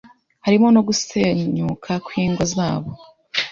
harimo no gusenyuka kw’ingo zabo